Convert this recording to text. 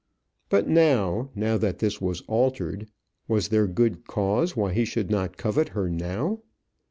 But now, now that this was altered, was there good cause why he should not covet her now?